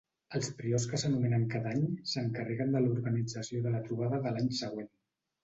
Els priors que s'anomenen cada any s'encarreguen de l'organització de la trobada de l'any següent.